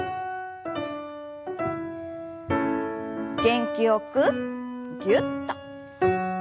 元気よくぎゅっと。